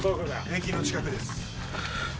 駅の近くです。